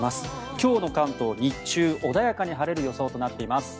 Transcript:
今日の関東、日中穏やかに晴れる予想となっております。